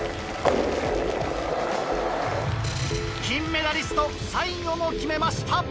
金メダリスト最後も決めました！